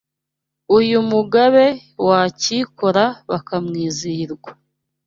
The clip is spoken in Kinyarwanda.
Uyu Mugabe wa Cyikora Bakamwizihirwa